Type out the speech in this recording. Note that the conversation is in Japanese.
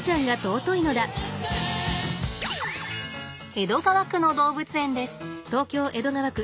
江戸川区の動物園です。